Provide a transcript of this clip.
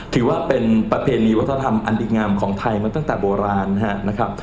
ถือว่าเป็นประเพณีวัฒนธรรมอันดีงามของไทยมาตั้งแต่โบราณนะครับ